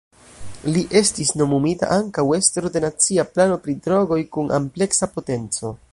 Li estis nomumita ankaŭ estro de Nacia Plano pri Drogoj kun ampleksa potenco.